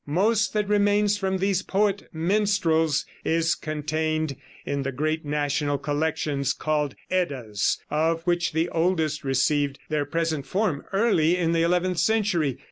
Most that remains from these poet minstrels is contained in the great national collections called Eddas, of which the oldest received their present form early in the eleventh century.